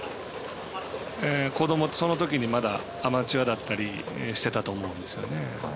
そのときにまだアマチュアだったりしてたと思うんですよね。